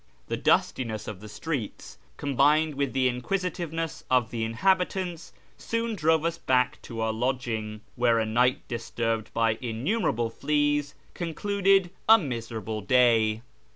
The dustiness of the streets, combined with the inquisitiveness of the inhabitants, soon drove us back to our lodging, where a night disturbed by innumerable fleas concluded a miserable day.